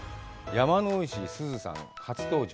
山之内すずさん、初登場。